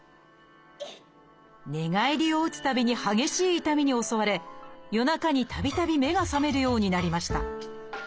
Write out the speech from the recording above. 寝返りを打つたびに激しい痛みに襲われ夜中にたびたび目が覚めるようになりました。